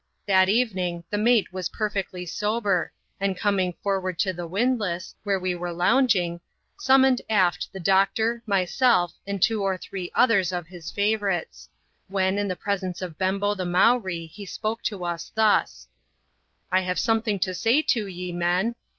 That evening, the mate was perfectly sober, and coming fot ward to the windlass, where we were lounging, summoned irft th< doctor, myself, and two or three others of his favourites; when in the presence of Bembo the Mowree, he spoke to us thus :" I have something to say to ye, men.